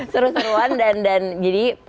seru seruan dan jadi